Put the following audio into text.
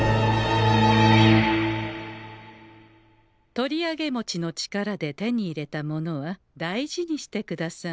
『とりあげもち』の力で手に入れたものは大事にしてくださんせ。